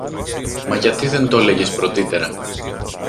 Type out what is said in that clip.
Μα γιατί δεν το 'λεγες πρωτύτερα;